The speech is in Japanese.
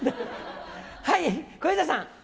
はい、小遊三さん。